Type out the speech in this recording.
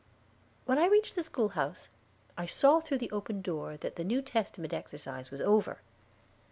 When I reached the schoolhouse I saw through the open door that the New Testament exercise was over.